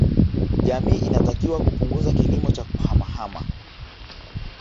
Jamii inatakiwa kupunguza kilimo cha kuhamahama